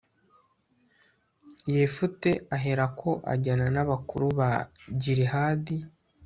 yefute aherako ajyana n'abakuru ba gilihadi